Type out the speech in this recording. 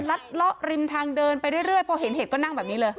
ก็เดินละละริมทางเดินไปเรื่อยเรื่อยพอเห็นเห็ดก็นั่งแบบนี้เลย